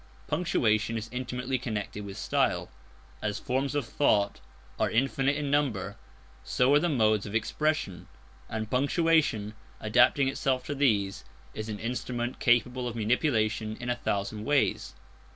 Punctuation is intimately connected with style. As forms of thought are infinite in number, so are the modes of expression; and punctuation, adapting itself to these, is an instrument capable of manipulation in a thousand ways.